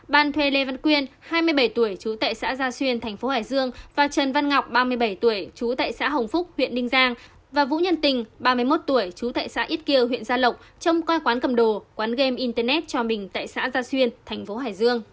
ban thuê lê văn quyên hai mươi bảy tuổi chú tại xã gia xuyên tp hải dương và trần văn ngọc ba mươi bảy tuổi chú tại xã hồng phúc huyện đinh giang và vũ nhân tình ba mươi một tuổi chú tại xã ít kiều huyện gia lộc trong coi quán cầm đồ quán game internet cho mình tại xã gia xuyên tp hải dương